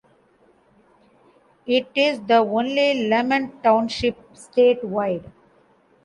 It is the only Lemon Township statewide.